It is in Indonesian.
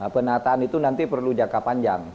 penataan itu nanti perlu jangka panjang